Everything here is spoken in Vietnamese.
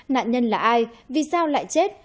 nạn nhân là ai vì sao lại chết